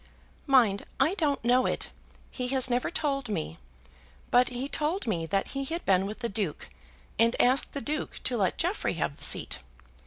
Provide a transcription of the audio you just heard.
"Mind, I don't know it. He has never told me. But he told me that he had been with the Duke, and asked the Duke to let Jeffrey have the seat.